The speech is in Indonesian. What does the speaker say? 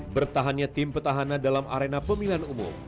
bertahannya tim petahana dalam arena pemilihan umum